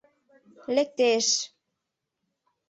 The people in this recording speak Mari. «Лекте-эш...